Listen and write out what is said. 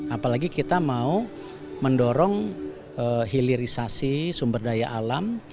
apalagi kita mau mendorong hilirisasi sumber daya alam